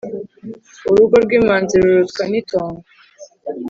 Urugo rw’umwanzi rurutwa n’itongo.